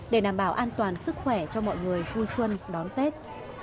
để đảm bảo an toàn sức khỏe cho mọi người vui xuân đón tết